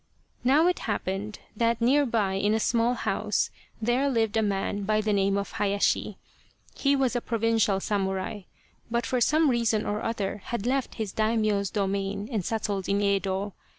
Now it happened that near by in a small house there lived a man by the name of Hayashi. He was a provincial samurai, but for some reason or other had left his Daimio's domain and settled in Yedo.